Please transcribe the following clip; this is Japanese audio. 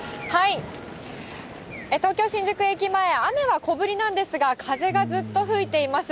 東京・新宿駅前、雨は小降りなんですが、風がずっと吹いています。